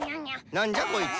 何じゃこいつ。